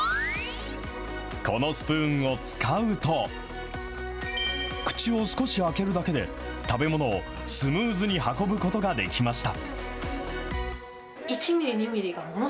このスプーンを使うと、口を少し開けるだけで、食べ物をスムーズに運ぶことができました。